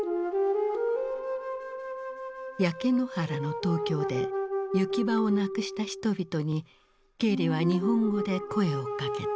焼け野原の東京で行き場をなくした人々にケーリは日本語で声をかけた。